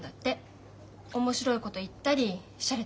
面白いこと言ったりしゃれたこと言ったり。